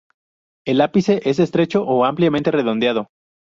El ápice es estrecho o ampliamente redondeado.